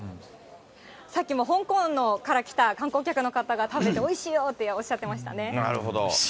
さっきも香港から来た観光客の方が食べて、おいしいよっておなるほど。